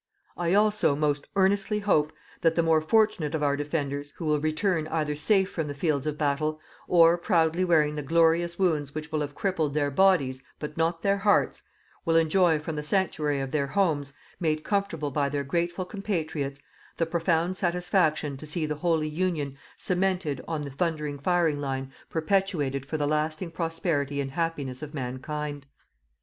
I also most earnestly hope that the more fortunate of our defenders who will return either safe from the fields of battle, or proudly bearing the glorious wounds which will have crippled their bodies, but not their hearts, will enjoy from the sanctuary of their homes, made comfortable by their grateful compatriots, the profound satisfaction to see the holy union cemented on the thundering firing line perpetuated for the lasting prosperity and happiness of Mankind.